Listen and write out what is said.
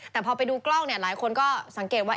แต่พอไปดูกล้องหลายคนก็สังเกตว่า